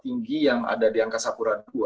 tinggi yang ada di angka sepura ii